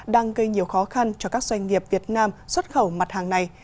đang gây nhiều khó khăn cho các doanh nghiệp việt nam xuất khẩu mặt hàng này